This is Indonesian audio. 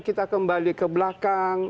kita kembali ke belakang